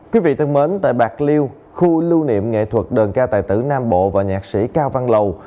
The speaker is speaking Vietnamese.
quý vị thân mến tại bạc liêu khu lưu niệm nghệ thuật đơn ca tài tử nam bộ và nhạc sĩ cao văn lầu